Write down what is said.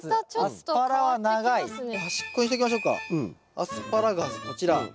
アスパラガスこちら。